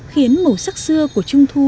khiến màu sắc xưa của trung thu